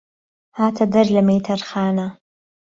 هاته دهر له مهيتەر خانه